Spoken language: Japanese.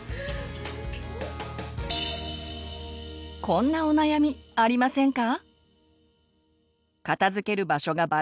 こんなお悩みありませんか？